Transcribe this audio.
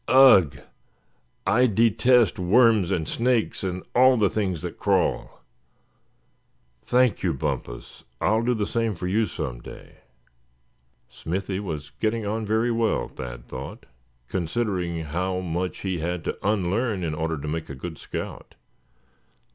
Ugh! I detest worms, and snakes, and all the things that crawl. Thank you, Bumpus; I'll do the same for you some day." Smithy was getting on very well, Thad thought, considering how much he had to "unlearn" in order to make a good scout.